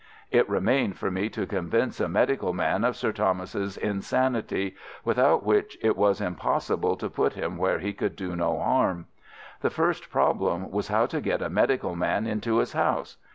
"It remained for me to convince a medical man of Sir Thomas's insanity, without which it was impossible to put him where he could do no harm. The first problem was how to get a medical man into his house.